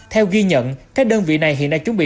theo ghi nhận các đơn vị này hiện đang chuẩn bị